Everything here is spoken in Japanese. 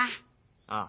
ああ。